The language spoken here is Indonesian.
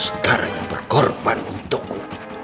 sekarang berkorban untukku